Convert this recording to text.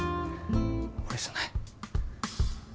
俺じゃない。